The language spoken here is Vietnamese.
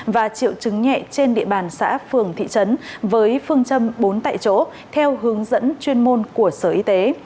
và triệu chứng nhẹ trên địa bàn xã phường thị trấn với phương châm bốn tại chỗ theo hướng dẫn chuyên môn của sở y tế